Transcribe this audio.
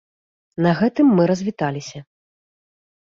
На гэтым мы развіталіся.